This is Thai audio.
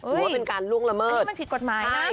หรือว่าเป็นการล่วงระเมิดอันนี้มันผิดกฎหมายนะ